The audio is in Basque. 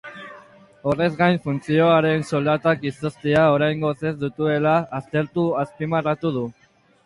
Horrez gain, funtzionarien soldatak izoztea oraingoz ez dutela aztertu azpimarratu du.